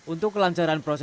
untuk kelancaran prosesnya